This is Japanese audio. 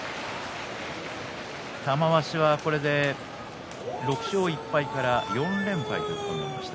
玉鷲は、これで６勝１敗から４連敗となりました。